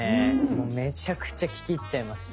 もうめちゃくちゃ聴き入っちゃいました。